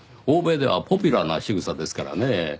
欧米ではポピュラーなしぐさですからねぇ。